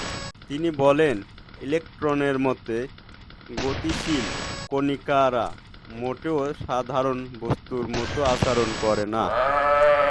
তিনি বলেন, ইলেকট্রনের মতো গতিশীল কণিকারা মোটেও সাধারণ বস্তুর মতো আচরণ করে না।